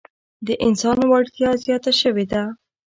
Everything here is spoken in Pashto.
د انسان وړتیا زیاته شوې ده.